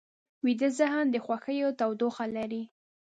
ویده ذهن د خوښیو تودوخه لري